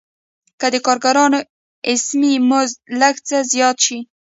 که د کارګرانو اسمي مزد لږ څه زیات شي